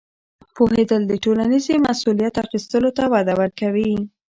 پوهېدل د ټولنیزې مسؤلیت اخیستلو ته وده ورکوي.